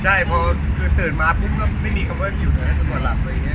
ใช่เพราะคือตื่นมาปุ๊บก็ไม่มีคำว่าอยู่ไหนก่อนหลับตัวอย่างเงี้ย